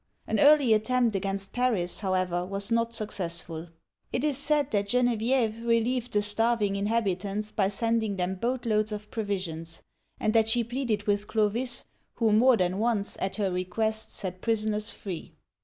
An early attempt against Paris, however, was not successful. It is said that Gene vieve relieved the starving inhabitants by sending them boatloads of provisions, and that she pleaded with Clovis, who more than once, at her request, set prisoners free.